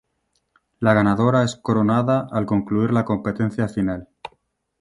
La ganadora es coronada al concluir la competencia final.